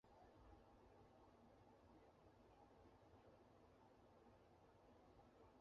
霍赫莱滕是奥地利下奥地利州米斯特尔巴赫县的一个市镇。